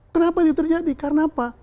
kenapa ini terjadi karena apa